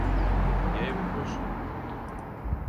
Я его больше люблю.